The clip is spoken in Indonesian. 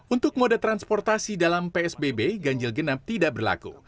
untuk moda transportasi dalam psbb ganjil genap tidak berlaku